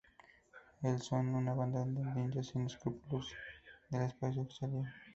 El son una banda de ninjas sin escrúpulos del espacio exterior.